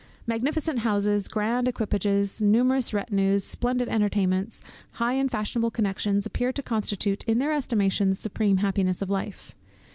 Magnificent houses, grand equipages, numerous retinues, splendid entertainments, high and fashionable connections, appear to constitute, in their estimation, the supreme happiness of life.